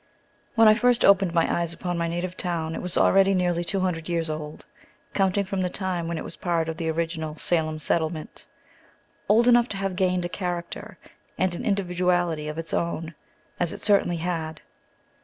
WHEN I first opened my eyes upon my native town, it was already nearly two hundred years old, counting from the time when it was part of the original Salem settlement, old enough to have gained a character and an individuality of its own, as it certainly had.